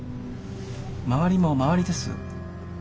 周りも周りです。